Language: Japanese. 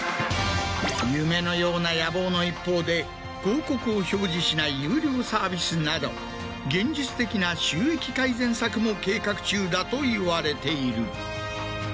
夢のような野望の一方で広告を表示しない有料サービスなど現実的な収益改善策も計画中だといわれている。